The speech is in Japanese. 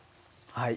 はい。